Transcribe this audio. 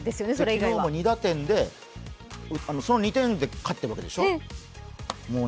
昨日も２打点で、その２点で勝っているわけでしょう。